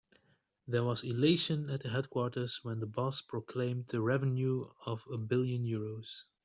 There was elation at the headquarters when the boss proclaimed the revenue of a billion euros.